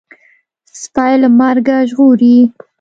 سپى له مرګه ژغوري.